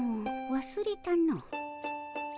わすれたの。